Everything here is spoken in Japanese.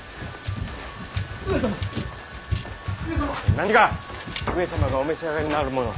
何か上様がお召し上がりになるものを！